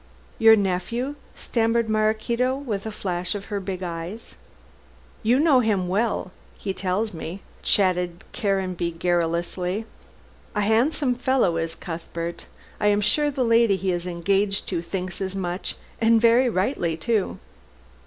"Your nephew," stammered Maraquito, with a flash of her big eyes. "You know him well, he tells me," chatted Caranby garrulously, "a handsome fellow is Cuthbert. I am sure the lady he is engaged to thinks as much, and very rightly too."